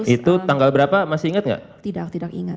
itu tanggal berapa masih ingat tidak tidak tidak ingat